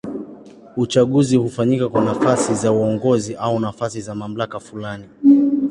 Uchaguzi hufanyika kwa nafasi za uongozi au nafasi za mamlaka fulani.